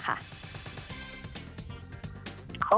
เขาก็